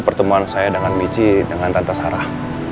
pertemuan saya dengan michi dengan tante sarah